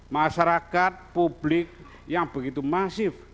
masyarakat publik yang begitu masif